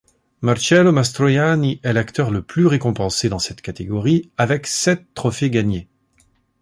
Marcello Mastroianni est l'acteur le plus récompensé dans cette catégorie avec sept trophées gagnés.